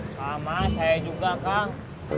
sama saya juga kang